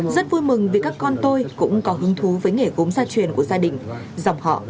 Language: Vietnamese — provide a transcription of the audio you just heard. rất vui mừng vì các con tôi cũng có hứng thú với nghề gốm gia truyền của gia đình dòng họ